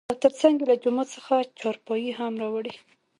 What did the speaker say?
او تر څنګ يې له جومات څخه چارپايي هم راوړى .